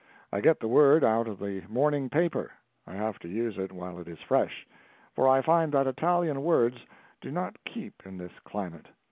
I get the word out of the morning paper. I have to use it while it is fresh, for I find that Italian words do not keep in this climate.